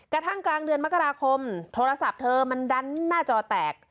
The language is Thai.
กระทั่งกลางเดือนมกราคมโทรศัพท์เธอมันดันหน้าจอแตก